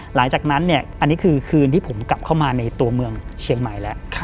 หลังจากนั้นเนี่ยอันนี้คือคืนที่ผมกลับเข้ามาในตัวเมืองเชียงใหม่แล้ว